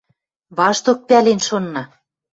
– вашток пӓлен шонна.